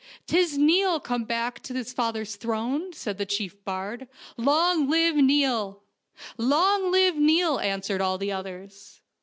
" Tis Xiall come back to claim his father's throne," said the chief bard. " Long live Mall!" " Long live Niall !" answered all the others.